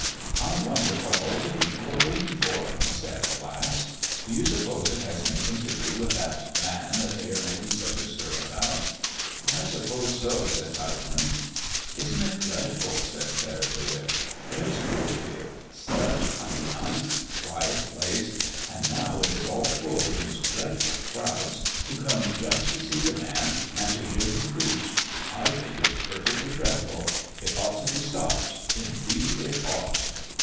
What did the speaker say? "I wonder what all the people are waiting for?" he said, at last. "Do you suppose it has anything to do with that Man they are making such a stir about?" "I suppose so," said Tilghman. "Isn't it dreadful?" said Clara De Witt. "There's Brookfield, such a nice, quiet place, and now it is all full of these dreadful crowds who come just to see the Man and to hear Him preach. I think it's perfectly dreadful. It ought to be stopped; indeed, it ought."